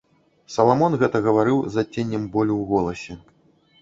Саламон гэта гаварыў з адценнем болю ў голасе.